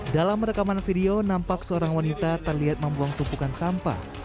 dalam rekaman video nampak seorang wanita terlihat membuang tumpukan sampah